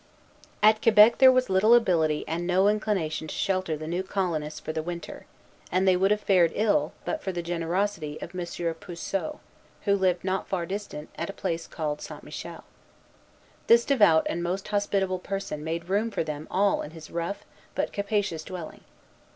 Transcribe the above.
At Quebec there was little ability and no inclination to shelter the new colonists for the winter; and they would have fared ill, but for the generosity of M. Puiseaux, who lived not far distant, at a place called St. Michel. This devout and most hospitable person made room for them all in his rough, but capacious dwelling.